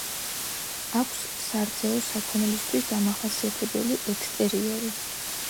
აქვს სარძეო საქონლისათვის დამახასიათებელი ექსტერიერი.